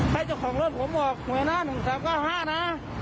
ให้เจ้าของรถผมบอกเมื่อหน้าหนึ่งสามเก้าห้านะ